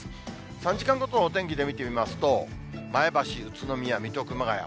３時間ごとのお天気で見てみますと、前橋、宇都宮、水戸、熊谷。